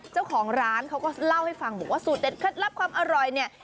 เจ้าของร้านเขาก็เล่าให้ฟังบอกว่าสูตรเด็ดเคล็ดลับความอร่อยเนี่ย